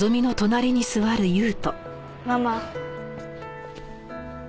ママ。